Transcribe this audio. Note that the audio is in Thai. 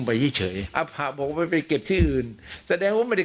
ไปเฉยเฉยอภะบอกว่าไปเก็บที่อื่นแสดงว่าไม่ได้